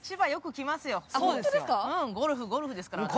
ゴルフ、ゴルフですから、私。